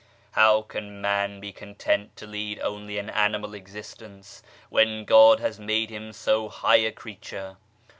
How can man be content to lead only an animal existence when God has made him so high a creature